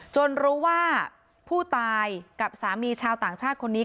รู้ว่าผู้ตายกับสามีชาวต่างชาติคนนี้